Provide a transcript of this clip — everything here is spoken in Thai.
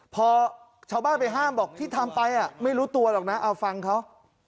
พอชาวบ้านไปห้ามบอกที่ทำไปไม่รู้ตัวหรอกนะเอาฟังเขา